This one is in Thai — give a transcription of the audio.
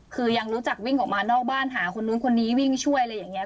คือยังรู้จักวิ่งออกมานอกบ้านหาคนนู้นคนนี้วิ่งช่วยอะไรอย่างนี้